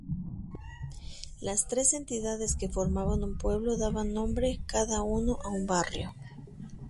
Las tres entidades que formaban un pueblo daban nombre cada uno a un barrio.